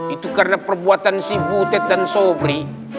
itu karena perbuatan si butet dan sobri